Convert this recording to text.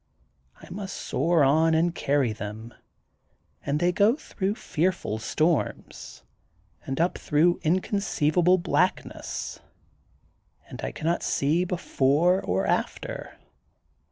I must soar on and carry them and they go through fearful storms and up through inconceivable black ness and I cannot see before or after.